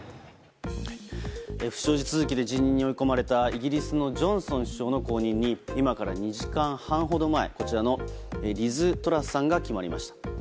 不祥事続きで辞任に追い込まれたイギリスのジョンソン首相の後任に今から２時間半ほど前こちらのリズ・トラスさんが決まりました。